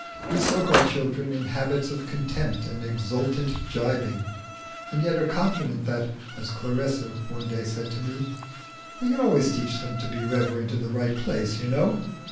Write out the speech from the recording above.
We soak our children in habits of contempt and exultant gibing, and yet are confident that as Clarissa one day said to me "We can always teach them to be reverent in the right place, you know."